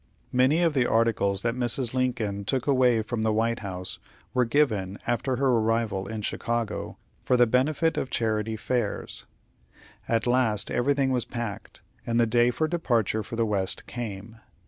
Many of the articles that Mrs. Lincoln took away from the White House were given, after her arrival in Chicago, for the benefit of charity fairs. At last everything was packed, and the day for departure for the West came.